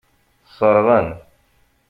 Seṛɣen.